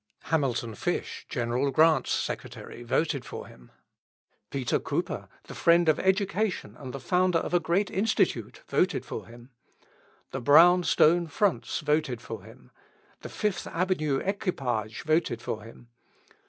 Hamilton Fish, General Grant's secretary, voted for him. Peter Cooper, the friend of education and the founder of a great institute, voted for him. The brown stone fronts voted for him. The Fifth Avenue equipage voted for him.